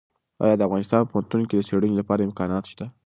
ایا د افغانستان په پوهنتونونو کې د څېړنې لپاره امکانات شته؟